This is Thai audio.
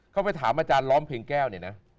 เขาไปถามอาจารย์ล้อมเพลงแก้วเนี่ยนะ